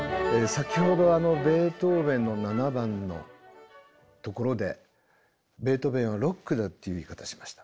先ほどベートーヴェンの７番のところで「ベートーヴェンはロックだ！」という言い方をしました。